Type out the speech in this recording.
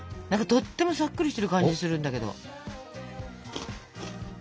とってもさっくりしてる感じするんだけど。